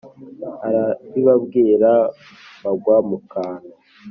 Arabibabwira bagwa mu kantu!